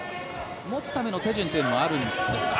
持つための手順はあるんですか？